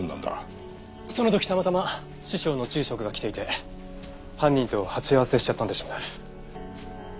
その時たまたま師匠の住職が来ていて犯人と鉢合わせしちゃったんでしょうね。